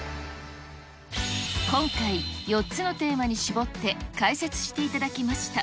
今回、４つのテーマに絞って解説していただきました。